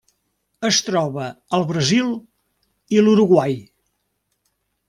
Es troba al Brasil i l'Uruguai.